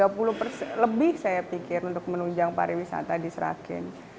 tiga puluh persen lebih saya pikir untuk menunjang pariwisata di seragen